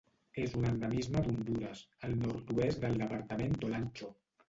És un endemisme d'Hondures: el nord-oest del departament d'Olancho.